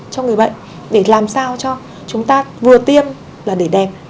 cho người bệnh để làm sao cho chúng ta vừa tiêm là để đẹp